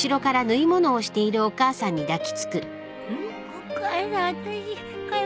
お母さんあたしかよ